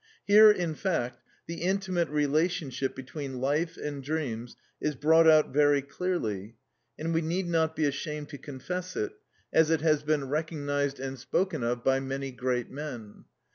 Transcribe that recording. Here, in fact, the intimate relationship between life and dreams is brought out very clearly, and we need not be ashamed to confess it, as it has been recognised and spoken of by many great men.